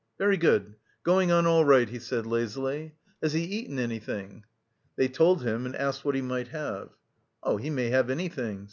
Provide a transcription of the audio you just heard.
"Very good.... Going on all right," he said lazily. "Has he eaten anything?" They told him, and asked what he might have. "He may have anything...